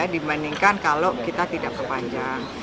dibandingkan kalau kita tidak perpanjang